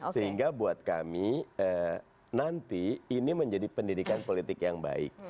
sehingga buat kami nanti ini menjadi pendidikan politik yang baik